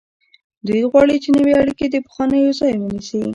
دوی غواړي چې نوې اړیکې د پخوانیو ځای ونیسي.